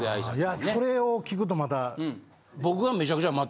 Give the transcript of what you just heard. いやそれを聞くとまた。